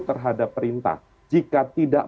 terhadap perintah jika tidak